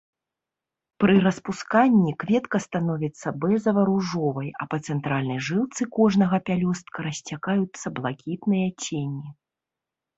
Пры распусканні кветка становіцца бэзава-ружовай, а па цэнтральнай жылцы кожнага пялёстка расцякаюцца блакітныя цені.